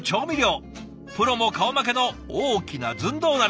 プロも顔負けの大きなずんどう鍋。